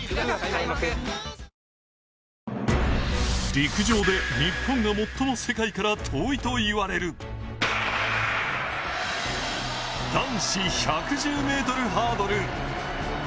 陸上で日本が最も世界から遠いと言われる男子１１０ｍハードル。